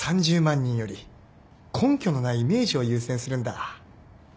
人より根拠のないイメージを優先するんだ。